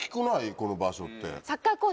この場所って。